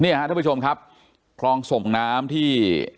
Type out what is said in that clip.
เนี่ยฮะท่านผู้ชมครับครองส่งน้ำที่